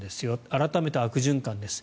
改めて悪循環です。